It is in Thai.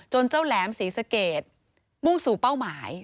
เจ้าแหลมศรีสะเกดมุ่งสู่เป้าหมาย